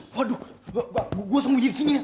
waduh gua gua sembunyi disini